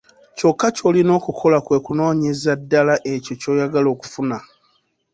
Kyokka ky'olina okukola kwe kunoonyeza ddala ekyo ky'oyagala okufuna.